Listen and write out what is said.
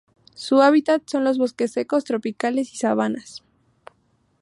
Sus hábitat son los bosques secos tropicales y sabanas.